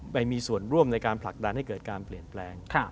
ไปมีส่วนร่วมในการผลักดันให้เกิดการเปลี่ยนแปลง